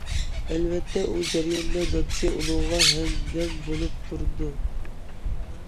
ئەلۋەتتە، بۇ جەرياندا دادىسى ئۇنىڭغا ھەمدەم بولۇپ تۇردى.